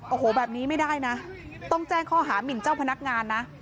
โอ้โหแบบนี้ไม่ได้นะต้องแจ้งข้อหามินเจ้าพนักงานนะ